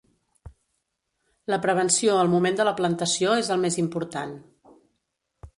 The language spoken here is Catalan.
La prevenció al moment de la plantació és el més important.